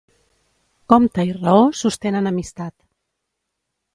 Compte i raó sostenen amistat.